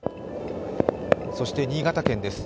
そして新潟県です。